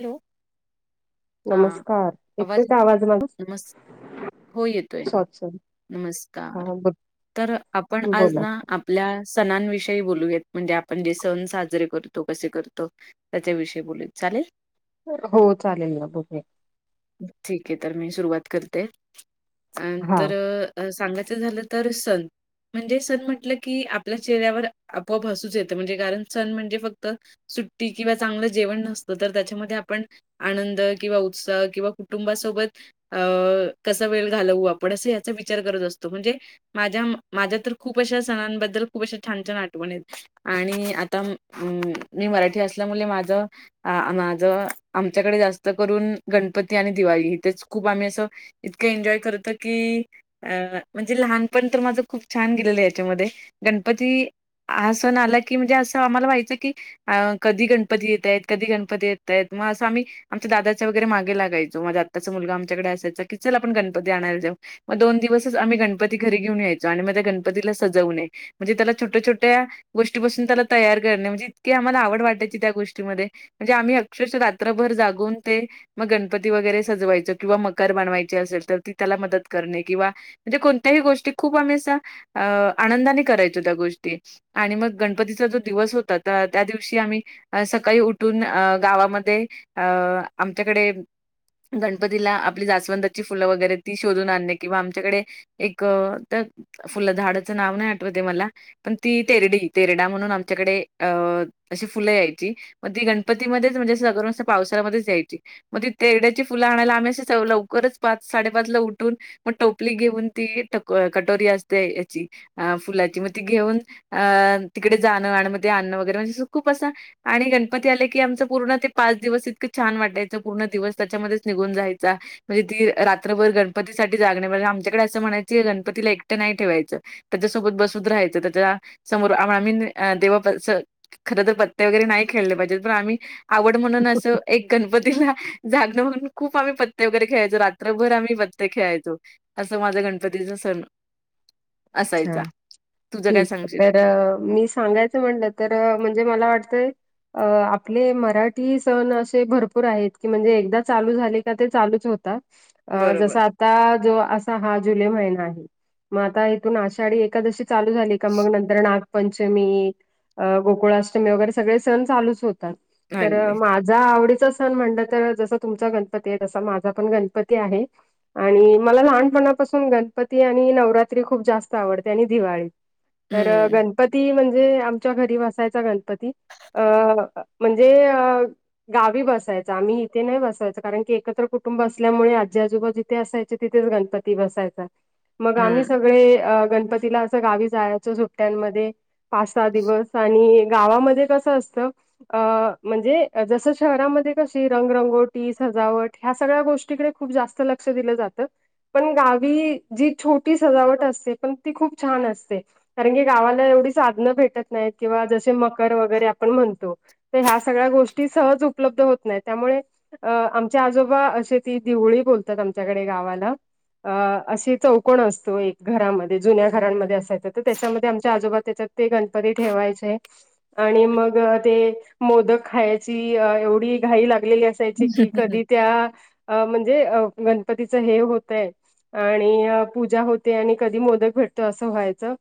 Hello. हा नमस्कार, एतोय का आवाज माझा? नमस् हो येतोय सॉरी सॉरी. नमस्कार, हा बोल- तर आपण आज बोला ना आपल्या सणांविषयी बोलूयात म्हणजे आपण जे सण साजरे करतो कसे करतो. त्याच्याविषयी बोलुयात, चालेल. हो चालेल ना, बघुया. ठीक आहे तर मी सुरवात करते, आं हा तर सांगायचं झालं तर सण म्हणजे सण म्हटलं की, आपल्या चेहऱ्यावर आपोआप हसूच येतं, म्हणजे कारण सण म्हणजे फक्त सुट्टी किंवा चांगलं जेवण नसतं, तर त्याच्यामध्ये आपण आनंद किंवा उत्साह, किंवा कुटुंबासोबत अं कसा वेळ घालवू आप पण आस याचा विचार करत असतो, म्हणजे माझ्या, माझ्या तर खूप अशा सणांबद्दल खूप अशा छान छान आठवण आहेत. आणि, आता, मी मराठी असल्यामुले माझं आ माझ, आमच्याकडे जास्त करून, गणपती आणि दिवाळी, इथेच खूप आम्ही असं इतके एन्जॉय करतो कि म्हणजे लहानपण तर माझं खूप छान गेलेलं याच्यामध्ये गणपती हा सण आला की म्हणजे असं आम्हाला व्हायचं की अ कधी गणपती येता हेत कधी गणपती येता हेत मग असं आम्ही आमच्या दादाच्या वगैरे मागे लागायचो. माझ्या आत्याचा मुलगा आमच्याकडे असायचा कि चल आपण गणपती आणायला जाऊ. मग दोन दिवसच आम्ही गणपती घरी घेऊन यायचो. आणि मग त्या गणपतीला सजवणे. म्हणजे त्याला छोट्या छोट्या गोष्टी बसून त्याला तयार करणे म्हणजे इतकीे आम्हाला आवड वाटायची त्या गोष्टीमध्ये म्हणजे आम्ही अक्षरश रात्रभर जागून ते मग गणपती वगैरे सजवायचं किंवा मकर बनवायचे असेल तर ति त्याला मदत करणे किंवा म्हणजे कोणत्याही गोष्टी खूप आम्ही अस आनंदाने करायचो त्या गोष्टी आणि मग गणपतीचा जो दिवस होता तर त्या दिवशी आम्ही अ सकाळी उठून गावामध्ये अ आमच्याकडे गणपतीला आपली जासवंदाची फुलं वगैरे ती शोधून आणणे किंवा आमच्याकडे एक फुल झााडाचं नाव नाही आठवत हे मला पण ती तेरडी तेरडा म्हणून आमच्याकडे अ अशी फुलं यायची मग ती गणपतीमध्येच म्हणजे सगळी पावसाळामध्येच यायची मग तेरड्याची फुलं आणायला आम्ही अस लवकरच पाच साडेपाच ला उठून मग टोपली घेऊन ती कटोरी असते याची अं फुलाची मग ती घेऊन तिकडे जाणं आण म आणणं वगैरे म्हणजे खूप असा आणि गणपती आले की आमचं पूर्ण ते पाच दिवस इतकं छान वाटायचं पूर्ण दिवस त्याच्यामध्येच निघून जायचा म्हणजे ती रात्रभर गणपतीसाठी जागणे म्हणजे आमच्याकडे असं म्हणायचं गणपतीला एकटं नाही ठेवायचं त्याच्यासोबत बसवून राहायचं त्याच्या समोर आम्ही अस देवा खर तर पत्ते वगैरे नाही खेळले पाहिजेत पण आम्ही आवड म्हणून अस एक गणपती जागणं म्हणून खूप आम्ही पत्ते वगैरे खेळायचो रात्रभर आम्ही पत्ते खेळायचो. असं माझा गणपतीचा सण अच्छा असायचा. तुझं काय ठीक सांगशील? तर मी सांगायच म्हणलं तर म्हणजे मला वाटतयं. अ आपले मराठी सण असे भरपूर आहेत की म्हणजे एकदा चालू झाले का ते चालूच होतात. अ जस बरोबर. आता जो असा हा जुलै महिना आहे. मग आता आषाढी एकादशी चालू झाली का मग नंतर ना गपंचमी, गोकुळाष्टमी वगैरे सगळे सण चालूच होतात तर अगदी. आवडीचा सण म्हणलं तर जस तुमचा गणपती आहे. तसा माझा पण गणपती आहे. आणि मला लहानपणापासून गणपती आणि नवरात्री खूप जास्त आवडते आणि दिवाळी तर हं, गणपती म्हणजे आ च्या घरी बसायचा गणपती अ म्हणजे गावी बसायचं आम्ही इथे नाही बसायच कारण की एकत्र कुटुंब असल्यामुळे आजी आजोबा ते असायचे तिथेच गणपती बसायचा मग आम्हीच हं. गणपतीला असं गावी जायचं सुट्ट्यांमध्ये पाच सहा दिवस आणि गावामध्ये कसं असत अ म्हणजे जस शहरामध्ये कशी रंगरंगोटी सजावट ह्या सगळ्या गोष्टीकडे खूप जास्त लक्ष दिलं जात पण गावी जी छो ती सजावट असते पण ती खूप छान असते कारण की गावाला एवढी साधनं भेटत नाहीत किंवा जसे मग वगरे आपण म्हणतो तर ह्या सगळ्या गोष्टी सहज उपलब्ध होत नाही त्यामुळे अ आमचे आजोबा असे ती दिवळी बोलतात आमच्याकडे गावाला. अ अशी चौक. कोण असतो एक घरामध्ये जुन्या घरांमध्ये असायचं तर त्याच्यामध्ये आमच्या आजोबा त्याच्यात ते गणपती ठेवायचे. आणि मग ते मोदक खायची एवढी घाई लागलेली असते. त्याचे की कधी त्या अ म्हणजे अ गणपतीचं हे होतयं आणि पूजा होते आणि कधी मोदक भेटतो असं व्हायचं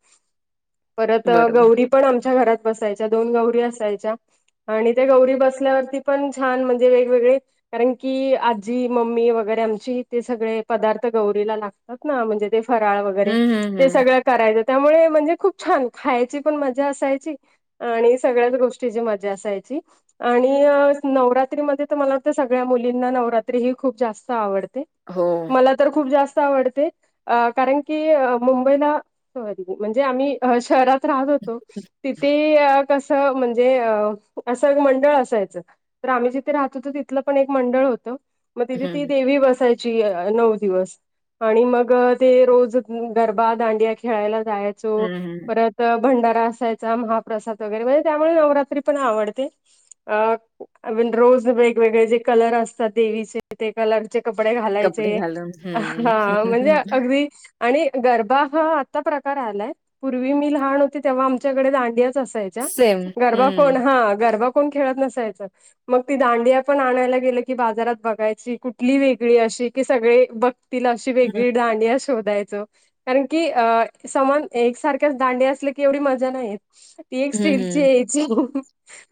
परत बरोबर. गौरी पण आमच्या घरात बसायच्या दोन गौरी असायच्या. आणि त्या गौरी बसल्यावरती पण छान म्हणजे वेगवेगळे कारण की आजी मम्मी वगैरे आमची ते सगळे पदार्थ गौरीला लागतात ना म्हणजे ते फराळ हं, वगैरे हं, ते हं. सगळं करायचं त्यामुळे म्हणजे खूप छान खायची पण मजा असायची. आणि सगळ्याच गोष्टीची मज्जा असायची. आणि नवरात्रीमध्ये तर मला वाटतं सगळ्या मुलींना नवरात्री ही खूप जास्त आवडते. हो. मला तर खूप जास्त आवडते. अ कारण की मुंबईला सॉरी म्हणजे आम्ही शहरात राहत होतो. तिथे अ कसं म्हणजे अ असं एक मंडळ असायचं. तर आम्ही जिथे राहतं होतो तिथलं पण एक मंडळ होतं. मग तिथे हं, ती देवी बसायची नऊ दिवस आणि मग. ते रोज गरबा दांडिया खेळायला जायचो हं, हं. परत. तर भंडारा असायचा महाप्रसाद वगैरे म्हणजे त्यामुळे नवरात्री पण आवडते. अ [unintelligible] रोज वेगवेगळे जे कलर असतात देवीचे ते कलर. चे कपडे कपडे घालायचे घालून. हं. हा म्हणजे. अगदी आणि गरबा हा आता प्रकार आलायं. पूर्वी मी लहान होते तेव्हा आमच्याकडे दांडियाच असायच्या सेम. गरबा पण हं. हा गरबा. कोण खेळत नसायचं. मग ती दांडिया पण आणायला गेलं की बाजारात बघायची कुठली वेगळी अशी की सगळे बघ. तिला अशी हं, वेगळी दांडिया शोधायचो. कारण की अ समान एकसारख्याच दांडिया असल्या की एवढी मजा नाहीे येत. ती एक हं, स्टीलची हं. यायची हू हुं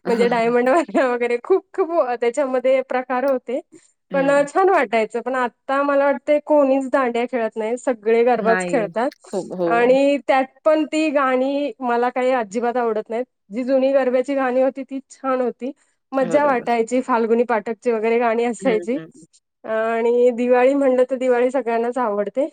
म्हणजे डायमंड वाल्या वगैरे खूप. खूप त्याच्यामध्ये प्रकार होते पण हं. छानं वाटायचं पण आ आता आम्हाला वाटतयं कोणीच दांड्या खेळत नाही सगळे गर्भाच नाही. खेळतात खूप हो. आणि त्यात पण ती गाणी मला काही अजिबात आवडत नाहीत. जी जुनी गरब्याची गाणी होती ती छान होती. मज्जा बरोबर. वाटायची फाल्गुनी पाठकची वगैरे गाणी हं, असायची. हं. आणि दिवाळी म्हणलं तर दिवाळी सगळ्यांनाच आवडते.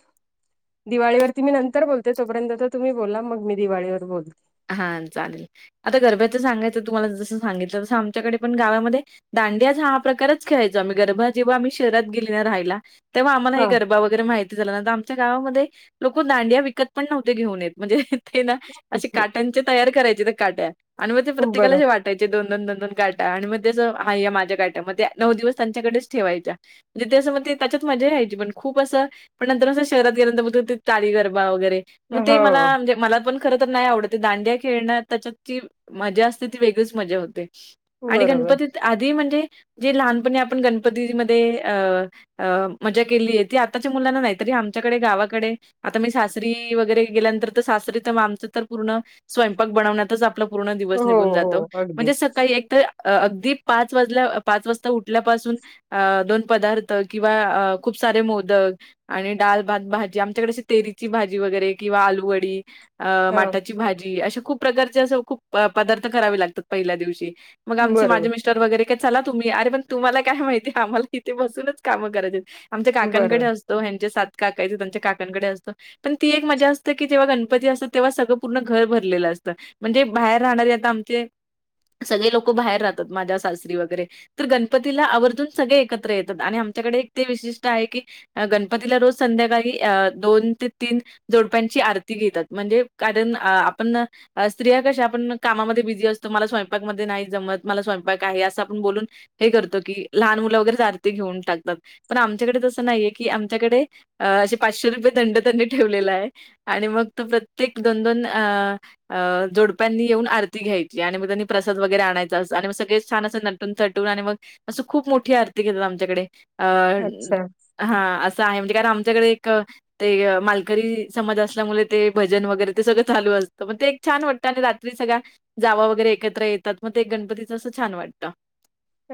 दिवाळीवरती मी नंतर बोलते तोपर्यंततं तुम्ही बोला मग मी दिवाळीवर बोलते. हां चालेल आता गरब्याचं सांगायचं तुम्हाला जसं सांगितलं तसं आमच्याकडे पण गावामध्ये. दांडियाचा हा प्रकारचं खेळायचो आम्ही गरभा जेव्हा आम्ही शहरात गेली ना राहायला. तेव्हा आम्हाला हे हा गरबा वगैरे माहिती झाल्या नंतर आमच्या गावामध्ये लोकं दांडिया विकत पण नव्हते घेऊन येत. म्हणजे ह ह ते ना असे काट्यांचे तयार करायचे ते काट्या आणि मग ते प्रत्येकाला बरं असे वाटा त्याचे दोन दोन दोन दोन काट्या आणि मग त्याचं हा्य हे माझ्या काट्या मग त्या नऊ दिवस त्यांच्याकडेच ठेवायच्या. णजथ [unintelligible] असं मग त्याच्यात मजा यायची पण खूप असं. पण नंतर नर शहरात गेल्यानंतर बघ ताळी गरबा वगैरे मग ते मला हो म्हणजे मला पण खरं तर नाही आवडत दांड्या खेळण त्याच्यात ती मजा असते ती वेगळीच मजा होते आणि बरोबर. गणपती आधी म्हणजे, जे लहानपणी आपण गणपतीमध्ये, अ अ, मजा केली आहेती, आताच्या मुलांना नाही, तरी आमच्याकडे गावाकडे आता, मी सासरी वगैरे गेल्यानंतर, तर सासरी तर आमचं तर, पूर्ण स्वयंपाक बनवण्यातचं, आपला पूर्ण दिवस हो, निघून जातो, हो. अगदी. म्हणजे सकाळी एक तर अ -अगदी पाच वाजल्या, पाच वाजता उठल्यापासून अ- दोन पदार्थ किंवा, अ खूप सारे मोदक, आणि, डाल, भात, भाजी, आमच्याकडे अशी तेरीची भाजी, वगैरे किंवा आलूवडी अ- हां. माटाची भाजी, अशाखूप प्रकारचे, असं खूप प- पदार्थ करावे लागतात. पहिल्या दिवशी. मग आमचे, बरोबर, माझे मिश तर, वगैरे काय चला तुम्ही, अरे पण तुम्हाला काय माहिती, आम्हाला इथे बसूनच कामं कराचीआहेत. आमच्या काकांकडे, बरोबर. असत हेंनचे, सात काका त्यांच्या काकांकडे, असतो पण ती एक मजा असते, की जेव्हा गणपती असतो तेव्हा सगळ. पूर्ण घर भरलेलं असतं, म्हणजे बाहेर राहणारे आता आमचे सगळी लोक बाहेर राहतात, माझ्या सासरी वगैरे तर, गणपतीला आवर्जून सगळे एकत्र येतात, आणि आमच्याकडे एक ते विशिष्ट आहे की, गणपतीला, रोज संध्याकाळी अ, दोन ते तीन, जोडप्यांची आरती घेतात, म्हणजे कारण, अ आपण, स्त्रिया कश्या, आपण कामामध्ये बिझी असतो, मला स्वयंपाक मध्ये नाही जमत, मला स्वयंपाक आहे. असं आपण बोलून हे, करतो की लहान मुलं वगैरेच, आरती घेऊन टाकतात. पण, आमच्याकडे तसं नाहीये, की आमच्याकडे अ, असे पाचशे रुपये दंड त्यांनी ठेवलेला आहे, आणि मग तो प्रत्येक दोन, दोन अ अ जोडप्यांनी येऊन, आरती घ्यायची आणि मग त्यांनी, प्रसाद वगैरे आणायचा, अस आणि म सगळे छान असं. नटूनथटूण, आणि मग असं खूप मोठी आरती घेतात, आमच्याकडे अच्छा. हा, असं आहे, म्हणजे कारण आमच्याकडे एक, ते मालकरी समाज असल्यामुळे ते भजन, वगैरे ते सगळं चालू असतं, मग ते एक छान वाटत आणि रात्री सगळ्या जावा, वगैरे एकत्र येतात, मग ते गणपतीच असं छान वाटतं.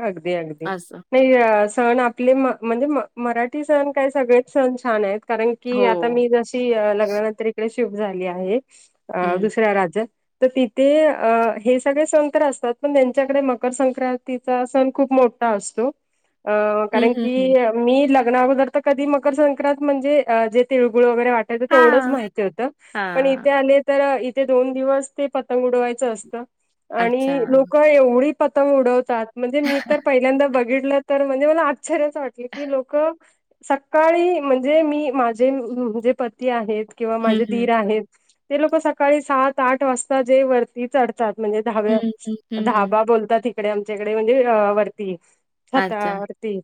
अगदी, अगदी, असं. काही, सण आपले म म्हणजे, म मराठी सण काय सगळेच, सण छान आहेत. कारण की, आता हो. मी जशी, लग्नानंतर इकडे शिफ्ट झाली आहे. अ, हं. दुसऱ्या राज्यत तर, तिथे अ हे सगळे सन तर असतात, पण त्यांच्याकडे मकर संक्रांत तिचा, सण खूप मोठा असतो, हं, कारण हं, हं. की मी, लग्नाअगोदर कधी, मकर संंक्रांत म्हणजे जे तिळगुळ वगैरे वाटत तेवढंच हां, माहिती होतं, पण हां. इथे आले तर, इथे दोन दिवस ते, पतंग उडवायचं असतं अच्छा. आणि लोक एवढी पतंग उडवतात, म्हणजे मी तर, पहिल्यांदा बघितलं. तर, म्हणजे मला, आश्चर्याचं वाटलं की, लोक सकाळी, म्हणजे मी माझे जे पती आहेत. किंवा, हं, माझे दीर हं. आहेत, ते लोक सकाळी सात, आठ वाजता जे वरती चड तात, म्हणजे हं, धाबा, हं, हं, हं. धाबा बोलतात इकडे आमच्याकडे, म्हणजे वरती अच्छा. छतावरती,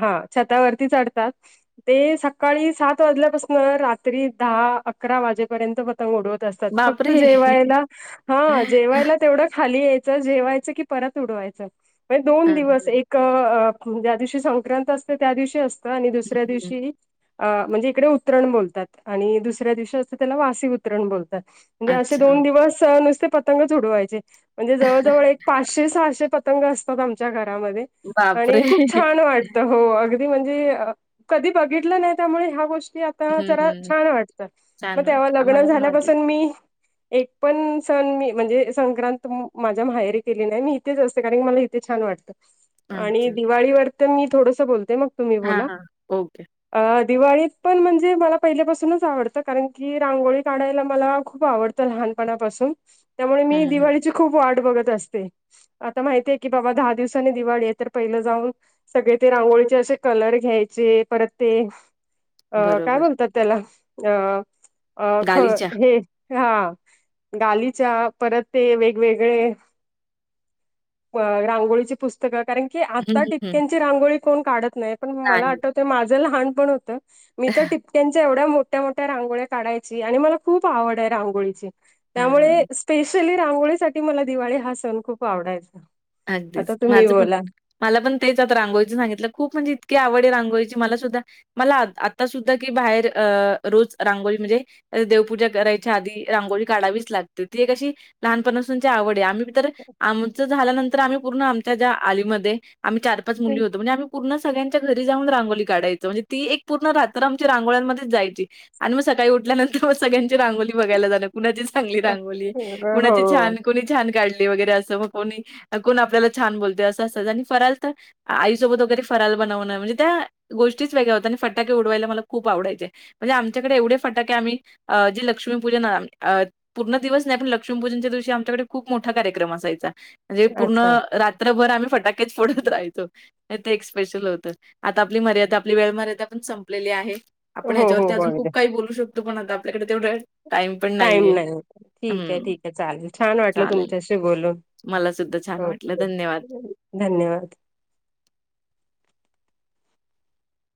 हा छतावरती चढतात. ते सकाळी सात, वाजल्यापासून रात्री दहा, अकरा, वाजेपर्यंत ब पतंग उडवत असतात. फक्त बापरे! जेवायला हा, जेवायला तेवढं खालीयच जेवायच कि, परत उडवायच दोन अच्छा. दिवस ज्या दिवशी, संक्रांत असत त्या दिवशी असतं, आणि दुसऱ्या हं, दिवशी अ म्हणजे, इकडे उतरण बोलतात, आणि दुसऱ्या दिवशी असं त्याला वासी उतरण बोलतात. म्हणजे असे अच्छा. दोन दिवस नुसते पतंग च उडवायचे म्हणजे जवळ जवळ एक पाचशे साहशे पतंग असतात आमच्या घरामध्ये बापरे! आणि खूप छान वाटत हो अगदी म्हणजे कधी बघितलं नाही त्यामुळे ह्या गोष्टी हं, त्यारा हं. छान वाटत मग छान तेव्हा वाटलं. लग्न आम्हाला पण वाटलं. झाल्यापासून मी एक पण सण मी म्हणजे संक्रांत माझ्या माहेरी केली नाही मी ेच असते कारण की मला इथे छान वाटतं आणि अच्छा. दिवाळीवर तर मी थोडंसं बोलते मग तुम्ही हां, बोला हां. ओके. अ दिवाळीत पण म्हणजे मला पहिल्यापासूनच आवडतं कारण की रांगोळी काढायला मला खूप आवडतं लहानपणापासून त्यामुळे हं, मी हं. दिवाळीची खूप वाट बघत असते आता माहितीय की बाबा दहा दिवसाांनी दिवाळी आहे तर पहिलं जाऊन सगळे ते रांगोळीचे असे कलर घ्यायचे परत ते अ काय बरोबर. बोलतात त्याला अ अ ख गालिचा. हे हा गालीच्या परत ते वेगवेगळे रांगोळीची पुस्तकं कारण की हं, आता हं, हं. टिपक्याची रांगोळी कोण काढत नाही पण मला नाही. वाटत माझ लहान पण हो त्यांच्या एवढ्या मोठ्या मोठ्या रांगोळ्या काढायची आणि मला खूप आवड आहे रांगोळीची हं. त्यामुळे स्पेशली रांगोळीसाठीठी मला दिवाळी हा सण खूप आवडायचा आता अगदीच. तुम्ही माझं पण बोला मला पण तेच आता रांगोळीं सांगितलं खूप म्हणजे इतकी आवड आहे रांगोळीची मला सुद्धा मला आता सुद्धा की बाहेर अ रोज रांगोळी म्हणजे देवपूजा करायच्या आधी रांगोळी काढावीच लागते ती एक अशी लहानपणाासूनची आवड आहे आम्ही आमच झाल्यानंतर आम्ही पूर्ण आमच्या्या आलीमध्ये आम्ही चार पाच मुली होतो म्हणजे आम्ही पूर्ण सगळ्यांच्या घरी जाऊन रांगोली काढायं म्हणजे ती एक पूर्ण रात्र आमच्या रांगोळंमध्येच जायची आणि मग सकाळी उठल्यानंतर मग सगळ्यांची रांोली बघाय जा कुणाची चांगली रांगोली कुणाची हो छान कोणी छान काढली वगैरे असं मग कोणी कोण आपल्याला छान बोलत असं असतच आणि फराल तर आईसोबत वगैरे फराल बनवणं म्हणजे त्या गोष्टीच वेगळ्या होत्या आणि फटाके उडवायला मला खूप आवडाचे म्हणजे आमच्याकडे एवढे फटा क आम्ही जे लक्ष्मी पूर्ण दिवस नाही पण लक्ष्पूजनच्या दिवशी आमच्याकडे खूप मोठा कार्यक्रम असायचा म्हणजे पूर्ण अच्छा रात्रभर आम्ही फटाकेेत फोडत राहाहतो ते एक स्पेशल होतं आता आपली मर्यादा आपली वेळ मर्यादा पण संपलेली आहे आपण हो हो ह्याच्यावरती हो अजून खूप अगदी काही बोलू शकतो पण आता आपल्याकडे तेवढा टाईम पण टाईम नाहीये नाही ठीक आहे हं, ठीक आहे चालेल छान वाटलं चालेल. तुमच्याशी बोलून मला सुद्धा छान वाटलं ओके धन्यवाद धन्यवाद